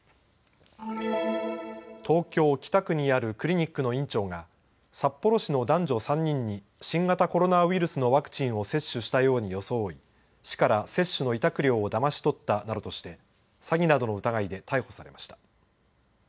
東京北区にあるクリニックの院長が札幌市の男女３人に新型コロナウイルスのワクチンを接種したように装い市から接種の委託料をだまし取ったなどとして詐欺などの疑いで逮捕されました。